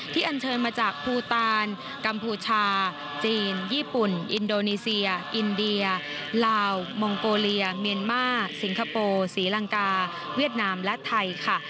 อันเชิญมาจากภูตานกัมพูชาจีนญี่ปุ่นอินโดนีเซียอินเดียลาวมองโกเลียเมียนมาร์สิงคโปร์ศรีลังกาเวียดนามและไทยค่ะ